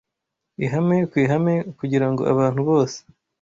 ihame ku ihame, kugira ngo abantu bose,